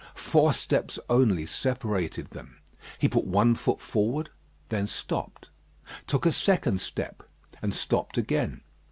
Four steps only separated them. He put one foot forward, then stopped; took a second step, and stopped again.